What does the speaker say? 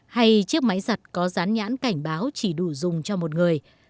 hay chiếc máy giặt có rán nhãn cảnh báo chỉ đủ dùng cho một người